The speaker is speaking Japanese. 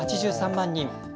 ８３万人。